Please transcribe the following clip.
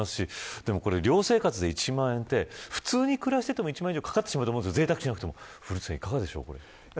寮生活で１万円って普通に暮らしてても１万円以上かかってしまうと思うんですけど古内さん、いかがでしょう。